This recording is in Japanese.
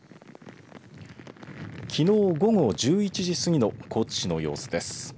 きのう午後１１時過ぎの高知市の様子です。